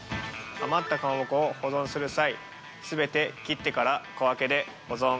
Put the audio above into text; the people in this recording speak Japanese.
余ったかまぼこを保存する際全て切ってから小分けで保存。